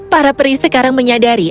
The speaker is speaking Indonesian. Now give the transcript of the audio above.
para peri sekarang menyadari